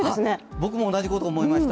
僕も同じことを思いました。